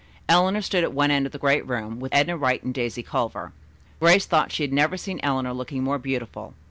Eleanor stood at one end of the great room, with Edna Wright and Daisy Culver. Grace thought she had never seen Eleanor looking more beautiful.